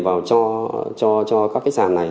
vào cho các cái sản này